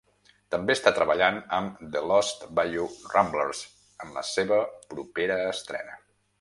També està treballant amb The Lost Bayou Ramblers en la seva propera estrena.